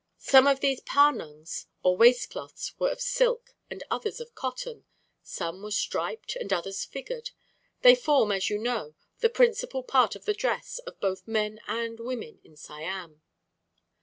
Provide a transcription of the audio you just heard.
Some of these pa nungs, or waist cloths, were of silk, and others of cotton. Some were striped, and others figured. They form, as you know, the principal part of the dress of both men and women in Siam.